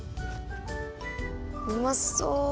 うまそう！